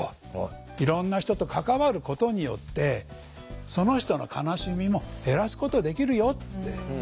いろんな人と関わることによってその人の悲しみも減らすことできるよって。